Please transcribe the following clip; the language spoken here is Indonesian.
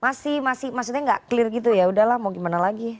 masih masih maksudnya gak clear gitu ya udah lah mau gimana lagi